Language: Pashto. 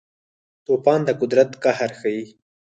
طوفان د قدرت قهر ښيي.